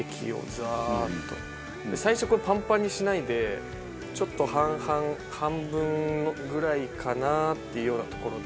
最初パンパンにしないでちょっと半々半分ぐらいかなっていうようなところで。